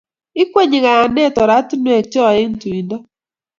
Ikwenyi kayanet oratinwek cho eng tuindo